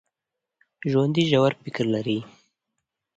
ژوندي ژور فکر لري